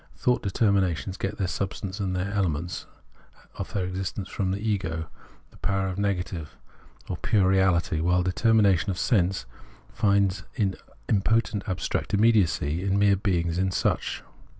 Thought determinations get their substance and the ele ment of their existence from the ego, the power of the negative, or piire reality ; while determinations of sense find this in impotent abstract immediacy, in mere being as such.